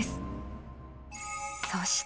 ［そして］